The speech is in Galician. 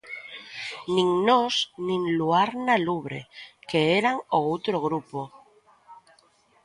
Nin nós nin Luar na Lubre, que eran o outro grupo.